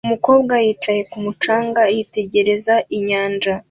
Umukobwa yicaye ku mucanga yitegereza inyanja